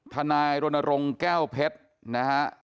ทนายรณรงค์แก้วเพชรนะฮะ